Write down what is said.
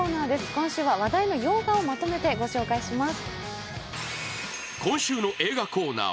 今週は話題の洋画をまとめてご紹介します。